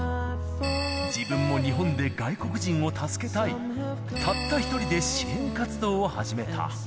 自分も日本で外国人を助けたい、たった一人で支援活動を始めた。